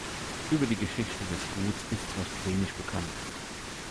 Über die Geschichte des Guts ist recht wenig bekannt.